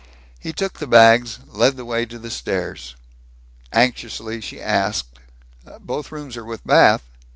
He took the bags, led the way to the stairs. Anxiously she asked, "Both rooms are with bath?"